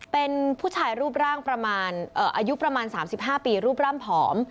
เป็นผู้ชายรูปร่างประมาณเอ่ออายุประมาณสามสิบห้าปีรูปร่ำผอม